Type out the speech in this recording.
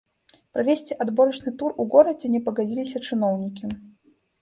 Правесці адборачны тур у горадзе не пагадзіліся чыноўнікі.